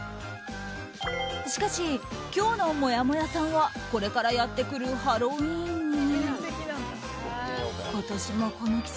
しかし、今日のもやもやさんはこれからやってくるハロウィーンに。